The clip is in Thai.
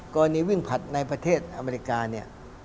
ก่อนนี้วิ่งผ่านในประเทศอเมริกาเนี่ย